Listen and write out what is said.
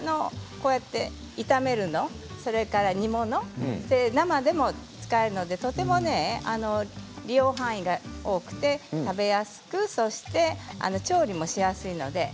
炒めるもの煮物、生でも使えるのでとても利用範囲が多くて食べやすくそして調理もしやすいんです。